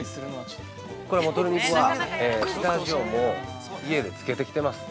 これもう鶏肉は下味をもう家でつけてきています。